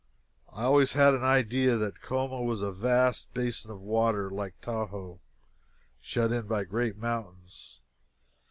I always had an idea that Como was a vast basin of water, like Tahoe, shut in by great mountains.